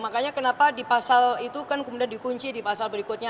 makanya kenapa di pasal itu kan kemudian dikunci di pasal berikutnya